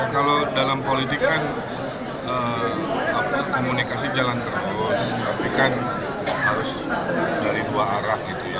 kalau dalam politik kan komunikasi jalan terus tapi kan harus dari dua arah gitu ya